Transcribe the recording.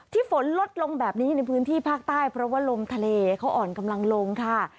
ฝนลดลงแบบนี้ในพื้นที่ภาคใต้เพราะว่าลมทะเลเขาอ่อนกำลังลงค่ะ